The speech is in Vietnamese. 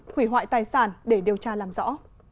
hủy hoại tài sản để điều tra làm rõ